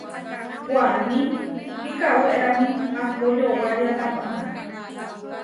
Waní kikawérani ahpó yowária tapaná.